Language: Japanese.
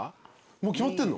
もう決まってんの？